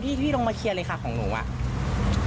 แล้วก็แยกย้ายกันไปเธอก็เลยมาแจ้งความ